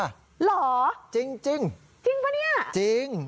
หรอจริงจริงปะเนี่ย